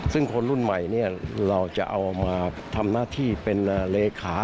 ซึ่งคนรุ่นใหม่เนี่ยเราจะเอามาทำหน้าที่เป็นเลขา